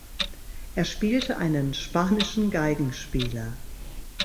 Er spielte einen spanischen Geigenspieler.